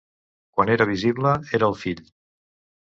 Quan era visible, era el Fill.